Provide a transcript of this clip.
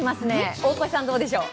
大越さん、どうでしょう？